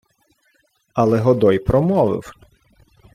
Але Годой промовив: